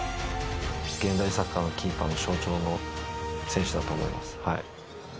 現代サッカーのキーパーの象徴の選手だと思います。